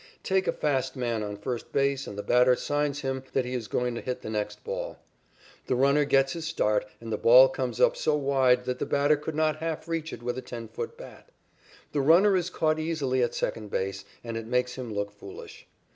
Take a fast man on first base and the batter signs him that he is going to hit the next ball. The runner gets his start and the ball comes up so wide that the batter could not half reach it with a ten foot bat. The runner is caught easily at second base and it makes him look foolish.